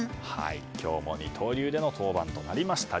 今日も二刀流での登板となりました。